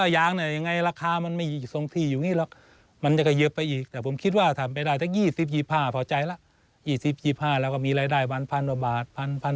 ยุดเลยผมถามว่าผมไม่ได้เดือนร้อนไง